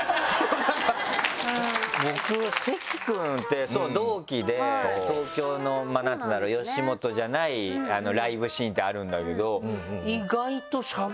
僕関くんって同期で東京の何つぅんだろう吉本じゃないライブシーンってあるんだけど。